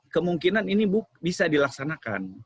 kemungkinan ini bisa dilaksanakan